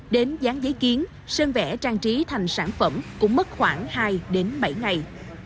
đến dán giấy kiến sơn vẽ trang trí thành sản phẩm cũng mất khoảng hai đến bảy ngày